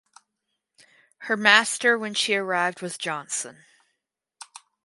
Her master when she arrived was Johnson.